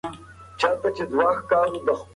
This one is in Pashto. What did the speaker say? مجسمه د تاقچې په سر ډېره ښکلې ښکارېده.